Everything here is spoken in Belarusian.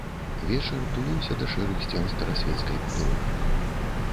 Вечар туліўся да шэрых сцен старасвецкай будоўлі.